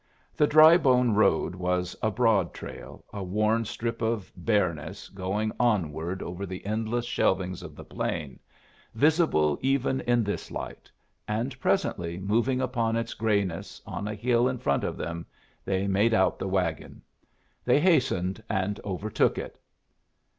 The Drybone road was a broad trail, a worn strip of bareness going onward over the endless shelvings of the plain, visible even in this light; and presently, moving upon its grayness on a hill in front of them, they made out the wagon. They hastened and overtook it.